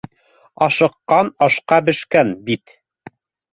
Ашыҡҡан — ашҡа бешкән, бит.